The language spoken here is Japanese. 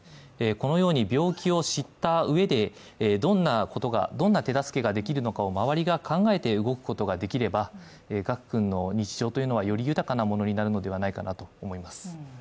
このように病気を知ったうえで、どんな手助けができるのかを周りが考えて動くことができれば賀久君の日常というのは、より豊かなものになるのではないかなと思います。